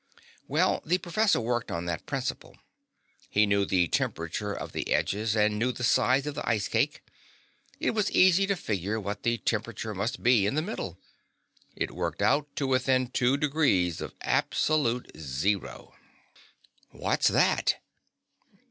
"Well, the professor worked on that principle. He knew the temperature of the edges, and he knew the size of the ice cake. It was easy to figure what the temperature must be in the middle. It worked out to within two degrees of absolute zero!" "What's that?"